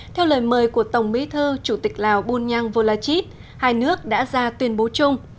theo lời mời của tổng bí thư chủ tịch lào bùn nhang vô la chít hai nước đã ra tuyên bố chung